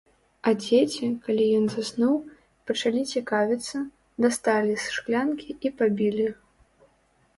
А дзеці, калі ён заснуў, пачалі цікавіцца, дасталі з шклянкі і пабілі.